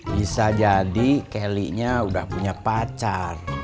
bisa jadi kelly nya udah punya pacar